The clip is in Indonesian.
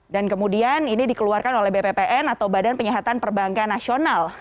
dan kemudian ini dikeluarkan oleh bppn atau badan penyihatan perbankan nasional